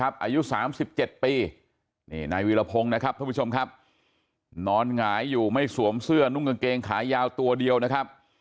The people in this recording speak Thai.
อายุ๓๗ปีนี่นายวีรพงศ์นะครับท่านผู้ชมครับนอนหงายอยู่ไม่สวมเสื้อนุ่งกางเกงขายาวตัวเดียวนะครับ